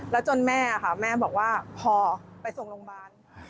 แล้วจนแม่ค่ะแม่บอกว่าพอไปส่งโรงพยาบาล